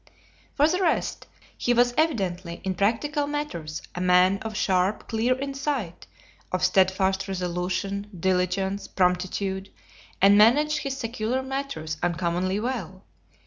For the rest, he was evidently, in practical matters, a man of sharp, clear insight, of steadfast resolution, diligence, promptitude; and managed his secular matters uncommonly well.